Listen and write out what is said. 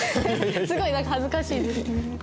すごいなんか恥ずかしいです。